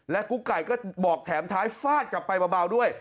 กุ๊กไก่ก็บอกแถมท้ายฟาดกลับไปเบาด้วย